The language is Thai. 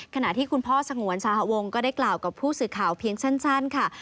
ขณะที่คุณพ่อสงวนสหวงก็ได้กล่าวกับผู้สื่อข่าวเพียงสั้นค่ะ